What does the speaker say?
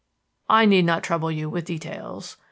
I need not trouble you with details.